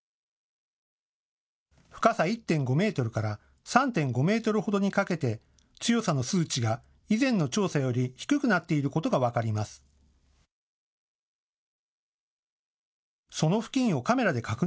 深さ１．５メートルから３．５メートルほどにかけて強さの数値が以前の調査より低くなっていることが分かります。